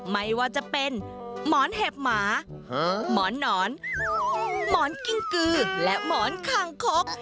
ไม่ว่าจะเป็นหมอนเห็บหมาหมอนหนอนหมอนกิ้งกือและหมอนคางคก